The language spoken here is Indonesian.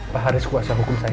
pak haris kuasa hukum saya